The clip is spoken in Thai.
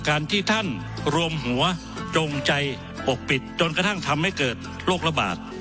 การที่ท่านรวมหัวจงใจปกปิดจนกระทั่งทำให้เกิดโรคระบาด